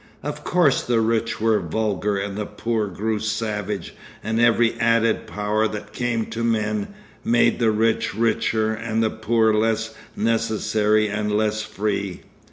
Of course the rich were vulgar and the poor grew savage and every added power that came to men made the rich richer and the poor less necessary and less free.